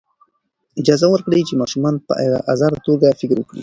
اجازه ورکړئ چې ماشومان په ازاده توګه فکر وکړي.